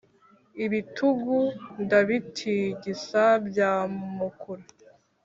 Ibitugu ndabitigisa Byamumukura